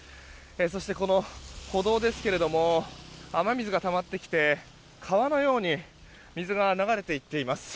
そして、この歩道ですけれども雨水がたまってきて川のように水が流れていっています。